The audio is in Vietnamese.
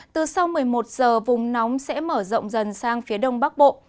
từ sau một mươi một giờ vùng nóng sẽ mở rộng dần sang phía đông bắc bộ